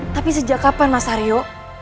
tapi sejak kapan mas aryo